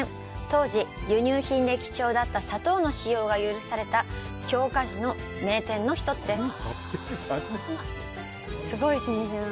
当時、輸入品で貴重だった砂糖の使用が許された京菓子の名店の一つです。